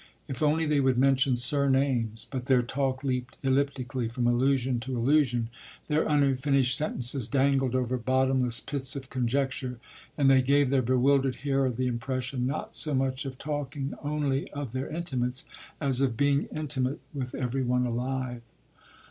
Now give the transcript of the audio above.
If only they would mention surnames! But their talk leaped elliptically from allusion to allusion, their unfinished sentences dangled over bottomless pits of conjecture, and they gave their bewildered hearer the impression not so much of talking only of their intimates, as of being intimate with every one alive.